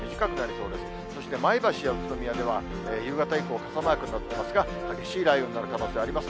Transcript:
そして前橋や宇都宮では、夕方以降、傘マークなっていますが、激しい雷雨になる可能性があります。